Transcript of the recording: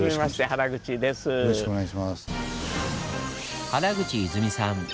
原口泉さん。